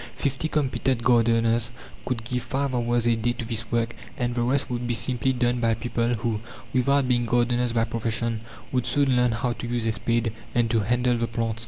Fifty competent gardeners could give five hours a day to this work, and the rest would be simply done by people who, without being gardeners by profession, would soon learn how to use a spade, and to handle the plants.